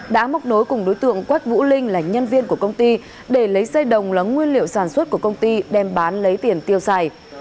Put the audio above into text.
đã móc nối cùng đối tượng quách vũ linh là nhân viên của công ty để lấy dây đồng là nguyên liệu sản xuất của công ty đem bán lấy tiền tiêu xài